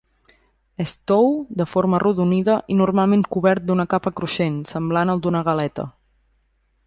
És tou, de forma arrodonida i normalment cobert d'una capa cruixent, semblant al d'una galeta.